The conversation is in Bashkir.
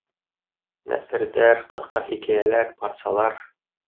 Нәҫерҙәр, ҡыҫҡа хикәйәләр, парсалар.